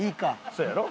そうやろ？